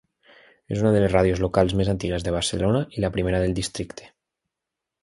És una de les ràdios locals més antigues de Barcelona, i la primera del districte.